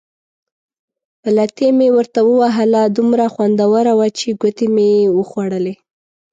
پلتۍ مې ورته ووهله، دومره خوندوره وه چې ګوتې مې وې خوړلې.